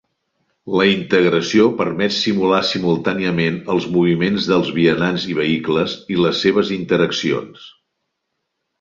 La integració permet simular simultàniament els moviments dels vianants i vehicles, i les seves interaccions.